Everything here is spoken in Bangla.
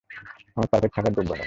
আমি পারফেক্ট থাকার যোগ্য নই।